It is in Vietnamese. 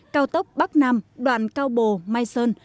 cao tốc bắc nam đoạn cao bồ mai sơn